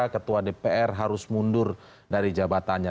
ketua dpr harus mundur dari jabatannya